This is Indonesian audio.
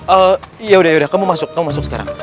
eeeh yaudah yaudah kamu masuk kamu masuk sekarang